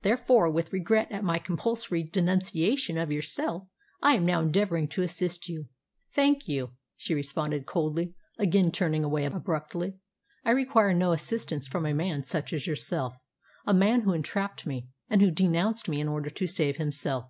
Therefore, with regret at my compulsory denunciation of yourself, I am now endeavouring to assist you." "Thank you," she responded coldly, again turning away abruptly. "I require no assistance from a man such as yourself a man who entrapped me, and who denounced me in order to save himself."